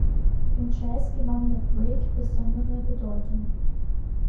Im Jazz gewann der Break besondere Bedeutung.